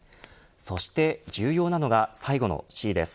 そして重要なのが最後のＣです。